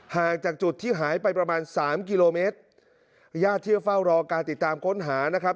ห่างจากจุดที่หายไปประมาณสามกิโลเมตรญาติเที่ยวเฝ้ารอการติดตามค้นหานะครับ